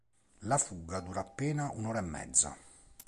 La fuga dura appena un'ora e mezza.